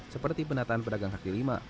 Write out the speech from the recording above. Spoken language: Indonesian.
seperti penataan pedagang kaki lima